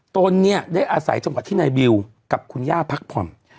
ตนเนี่ยได้อาศัยจมัดที่นายบิวกับคุณย่าพักพรรม